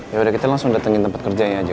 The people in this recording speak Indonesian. yaudah kita langsung datangin tempat kerjanya aja